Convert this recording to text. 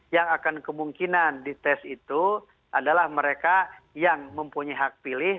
yang akan kemungkinan dites itu adalah mereka yang mempunyai hak pilih